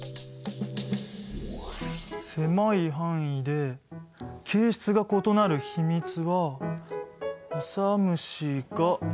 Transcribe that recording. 狭い範囲で形質が異なる秘密はオサムシが。